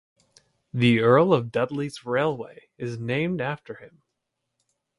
The Earl of Dudley's Railway is named after him.